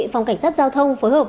phòng cảnh sát giao thông phối hợp